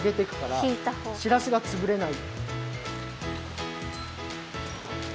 しらすがつぶれない。